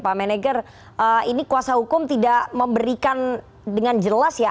pak menegger ini kuasa hukum tidak memberikan dengan jelas ya